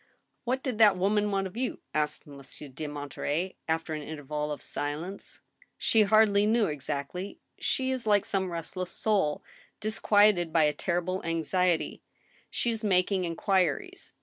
"What did that woman want of you?" asked Monsieur de Monterey, after an interval of silence. " She hardly knew exactly, ... she is like some restless soul, disquieted by a terrible anxiety, ... she is making inquiries.